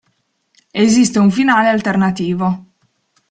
Esiste un finale alternativo.